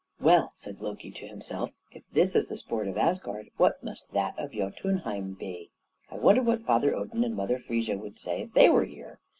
"Well," said Loki to himself, "if this is the sport of Asgard, what must that of Jötunheim be? I wonder what Father Odin and Mother Frigga would say if they were here?"